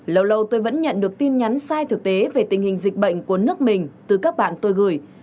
lâu lâu tôi vẫn nhận được tin nhắn sai thực tế về tình hình dịch bệnh của nước mình từ các bạn tôi gửi